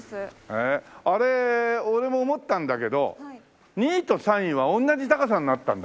へえあれ俺も思ったんだけど２位と３位は同じ高さになったんだね。